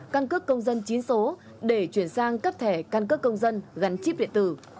căn cấp công dân chín số để chuyển sang cấp thẻ căn cấp công dân gắn chip điện tử